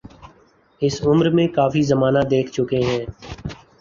اس عمر میں کافی زمانہ دیکھ چکے ہیں۔